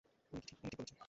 উনি ঠিক বলেছেন!